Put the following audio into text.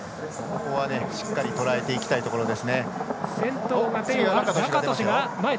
しっかりとらえていきたいところです。